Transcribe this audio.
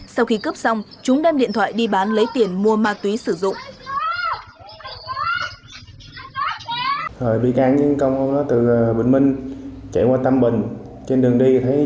sau khi cướp xong chúng đem điện thoại đi bán lấy tiền mua ma túy sử dụng